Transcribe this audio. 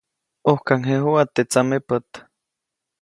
ʼUjkaŋjejuʼa teʼ tsamepät.